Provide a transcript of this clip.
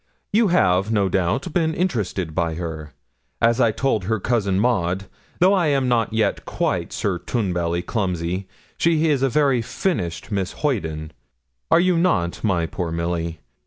You have, no doubt, been interested by her. As I told her cousin Maud, though I am not yet quite a Sir Tunbelly Clumsy, she is a very finished Miss Hoyden. Are not you, my poor Milly?